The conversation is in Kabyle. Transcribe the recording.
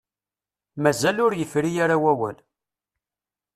Mazal ur yefri ara wawal.